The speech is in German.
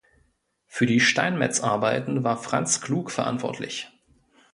Für die Steinmetzarbeiten war Franz Klug verantwortlich.